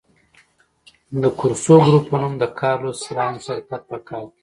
د کورسو ګروپ په نوم د کارلوس سلایم شرکت په کال کې.